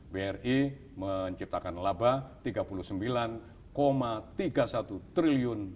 bri menciptakan laba rp tiga puluh sembilan tiga puluh satu triliun